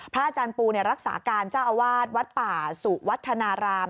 อาจารย์ปูรักษาการเจ้าอาวาสวัดป่าสุวัฒนาราม